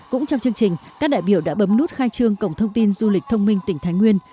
cũng trong chương trình các đại biểu đã bấm nút khai trương cổng thông tin du lịch thông minh tỉnh thái nguyên